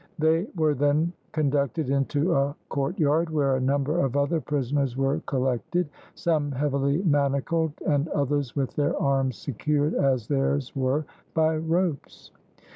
They were then conducted into a courtyard, where a number of other prisoners were collected, some heavily manacled, and others with their arms secured as theirs were, by ropes.